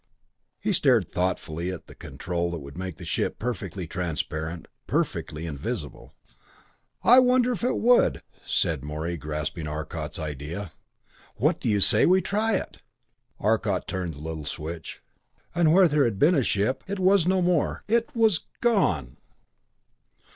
He stared thoughtfully at the control that would make the ship perfectly transparent, perfectly invisible. "I wonder if it would?" said Morey grasping Arcot's idea. "What do you say we try it?" Arcot turned the little switch and where there had been the ship, it was no more it was gone!